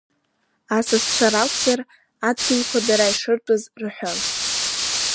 Асасцәа ракәзар, адгьылқәа дара ишыртәыз рҳәон.